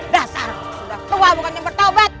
dasar sudah tua bukan yang bertaubat